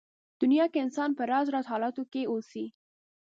دنيا کې انسان په راز راز حالاتو کې اوسي.